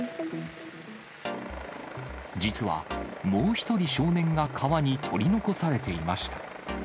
実は、もう１人少年が川に取り残されていました。